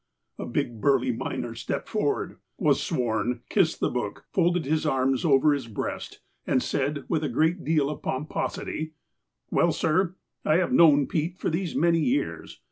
A big, burly miner stepped forward, was sworn, kissed the book, folded his arms over his breast, and said, with a great deal of pomposity : "Well, sir, I have known Pete for these many years.